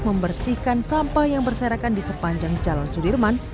membersihkan sampah yang berserakan di sepanjang jalan sudirman